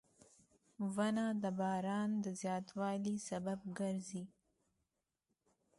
• ونه د باران د زیاتوالي سبب ګرځي.